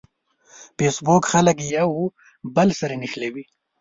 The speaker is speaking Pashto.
فېسبوک خلک یو بل سره نښلوي